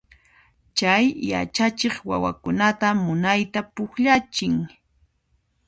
Chay yachachiq wawakunata munayta pukllachin.